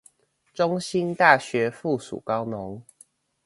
中興大學附屬高農